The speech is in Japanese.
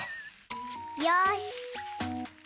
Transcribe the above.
よし。